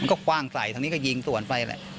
มันก็กว้างใสตรงนี้ก็ยิงส่วนไปแหละ